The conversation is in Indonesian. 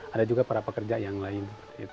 ada juga para pekerja yang lain